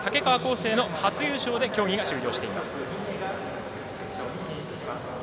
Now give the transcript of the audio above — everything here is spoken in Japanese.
倖生の初優勝で競技が終了しています。